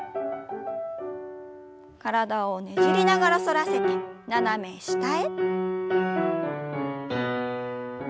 体をねじりながら反らせて斜め下へ。